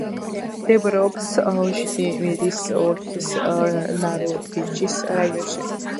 მდებარეობს ჟიტომირის ოლქის ნაროდიჩის რაიონში.